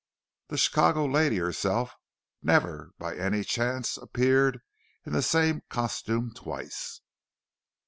The Chicago lady herself never by any chance appeared in the same costume twice.